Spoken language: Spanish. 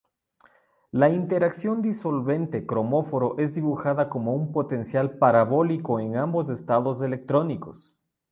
La interacción disolvente-cromóforo es dibujada como un potencial parabólico en ambos estados electrónicos.